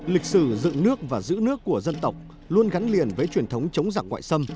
lịch sử dựng nước và giữ nước của dân tộc luôn gắn liền với truyền thống chống giặc ngoại xâm